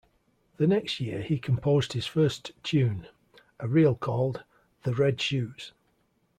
The next year he composed his first tune, a reel called "The Red Shoes".